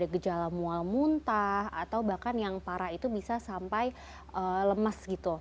ada gejala mual muntah atau bahkan yang parah itu bisa sampai lemas